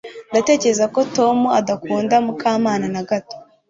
Ndatekereza ko Tom adakunda Mukamana na gato